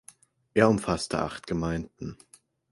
Er umfasste acht Gemeinden.